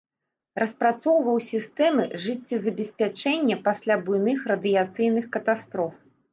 Распрацоўваў сістэмы жыццезабеспячэння пасля буйных радыяцыйных катастроф.